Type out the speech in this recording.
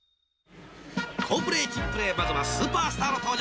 ［好プレー珍プレーまずはスーパースターの登場。